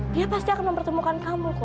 dia pasti akan mempertemukan kamu kok